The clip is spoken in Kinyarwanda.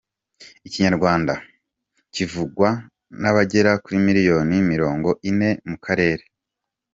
Ikinyarwanda Ikinyarwanda kivugwa n'abagera kuri miliyoni mirongo ine mu karere.